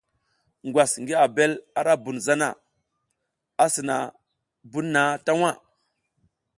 Ngwas ngi abel ara bun zana, a sina na bun na ta waʼa.